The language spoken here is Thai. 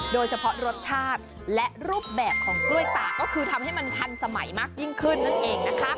โดยเฉพาะรสชาติและรูปแบบของกล้วยตากก็คือทำให้มันทันสมัยมากยิ่งขึ้นนั่นเองนะคะ